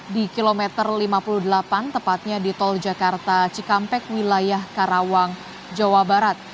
di kilometer lima puluh delapan tepatnya di tol jakarta cikampek wilayah karawang jawa barat